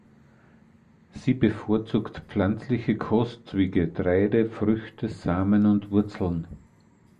Sie bevorzugt pflanzliche Kost wie Getreide, Früchte, Samen und Wurzeln.